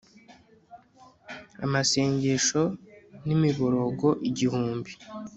amasengesho n'imirongo igihumbi